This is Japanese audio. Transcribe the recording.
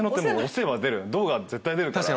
ドが絶対出るから。